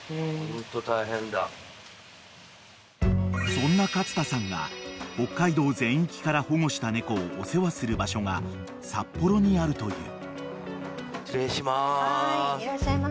［そんな勝田さんが北海道全域から保護した猫をお世話する場所が札幌にあるという］